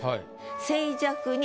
「静寂に」